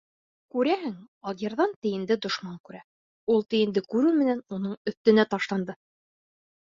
КүрәҺең, алйырҙан тейенде дошман күрә: ул, тейенде күреү менән уның өҫтөнә ташланды.